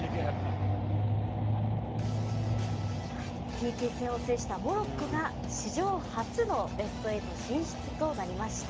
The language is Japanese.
ＰＫ戦を制したモロッコが史上初のベスト８進出となりました。